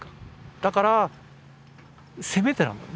だからせめてなんだよね。